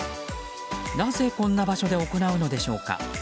なぜ、こんな場所で行うのでしょうか。